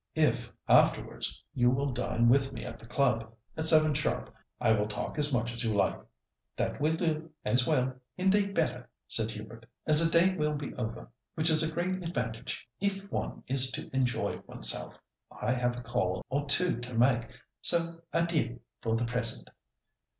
If, afterwards, you will dine with me at the club, at seven sharp, I will talk as much as you like." "That will do as well, indeed better," said Hubert, "as the day will be over, which is a great advantage if one is to enjoy oneself. I have a call or two to make, so adieu for the present!"